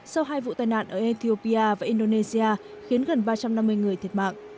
sau hai vụ tai nạn ở ethiopia và indonesia khiến gần ba trăm năm mươi người thiệt mạng